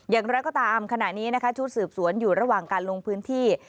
อย่างไรก็ตามขณะนี้นะคะชุดสืบสวนอยู่ระหว่างการลงพื้นที่